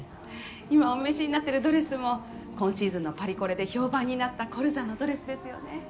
今お召しになってるドレスも今シーズンのパリコレで評判になったコルザのドレスですよね？